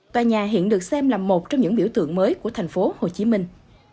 tòa nhà hiện được xem là một trong những biểu tượng mới của thành phố hồ chí minh